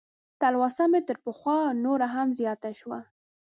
تلوسه مې تر پخوا نوره هم زیاته شوه.